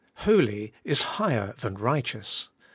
Holy is higher than righteous."